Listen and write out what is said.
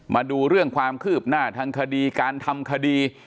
มาดูเรื่องความคืบหน้าทางคดีการทำคดี